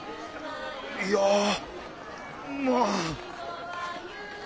いやまあ。